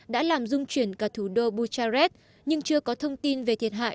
đã làm dung chuyển cả thủ đô bucharest nhưng chưa có thông tin về thiệt hại